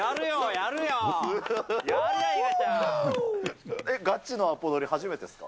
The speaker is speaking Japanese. やるよ、ガチのアポ取り初めてですか？